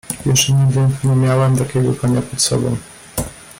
"Jeszcze nigdy nie miałem takiego konia pod sobą."